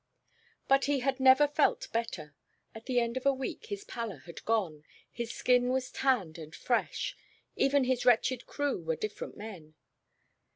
But he had never felt better. At the end of a week his pallor had gone, his skin was tanned and fresh. Even his wretched crew were different men.